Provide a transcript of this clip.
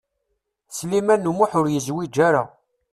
Sliman U Muḥ ur yezwiǧ ara.